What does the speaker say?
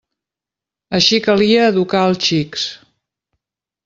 Així calia educar els xics.